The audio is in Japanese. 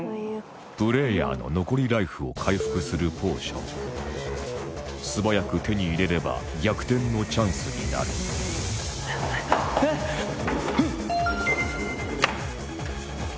プレイヤーの残りライフを回復するポーション素早く手に入れれば逆転のチャンスになるはぁあぁ！